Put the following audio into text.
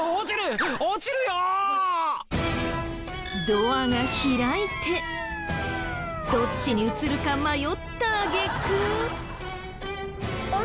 ドアが開いてどっちに移るか迷った揚げ句。